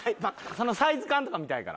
そのサイズ感とか見たいから。